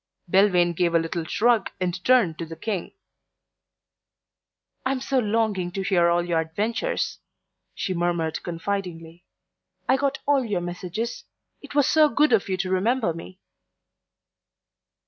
Belvane gave a little shrug and turned to the King. "I'm so longing to hear all your adventures," she murmured confidingly. "I got all your messages; it was so good of you to remember me."